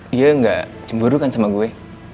dia gak cemburu kan sama gue